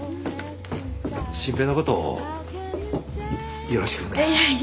真平のことをよろしくお願いします。